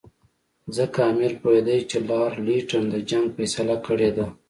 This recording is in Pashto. ځکه امیر پوهېدی چې لارډ لیټن د جنګ فیصله کړې ده.